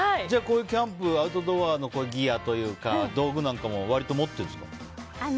じゃあ、こういうキャンプアウトドアのギアというか道具なんかも割と持ってるんですか。